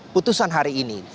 putusan hari ini